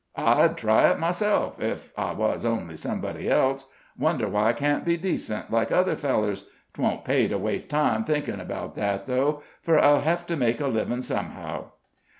I'd try it myself, ef I wuz only somebody else. Wonder why I can't be decent, like other fellers. 'Twon't pay to waste time thinkin' 'bout that, though, fur I'll hev to make a livin' somehow."